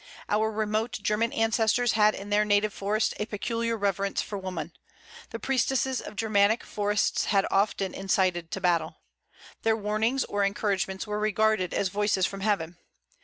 Our remote German ancestors had in their native forests a peculiar reverence for woman. The priestesses of Germanic forests had often incited to battle. Their warnings or encouragements were regarded as voices from Heaven.